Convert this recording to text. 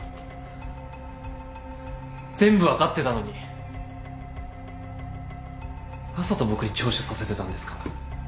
全部分かってたのにわざと僕に聴取させてたんですか？